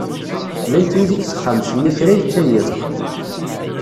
Llant yid-i deg texxamt-nni, kra yekka yiḍ.